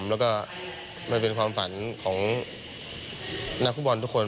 แล้วก็มันเป็นความฝันของนักฟุตบอลทุกคน